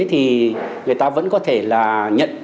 thì người ta vẫn có thể là nhận